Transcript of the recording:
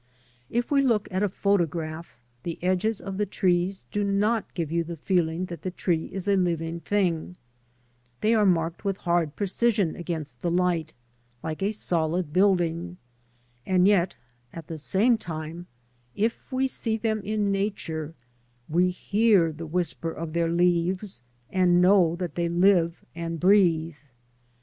If we look at a photograph, the edges of the trees do not give you the feeling that the tree is a living thing, they are marked with hard precision against the light, like a solid building, and yet at the same ti me if we s eg^^^Htupn in Nature we hear the whisper of their leaves and know that they live and breathe.